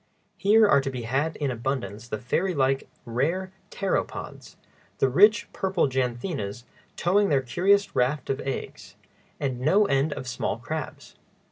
Here are to be had in abundance the fairy like, rare pteropods, the richly purple janthinas towing their curious rafts of eggs, and no end of small crabs.